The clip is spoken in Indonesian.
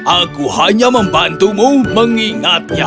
aku hanya membantumu mengingatnya